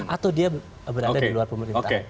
atau dia berada di luar pemerintahan